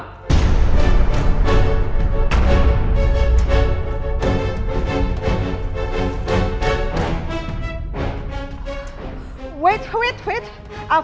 tunggu tunggu tunggu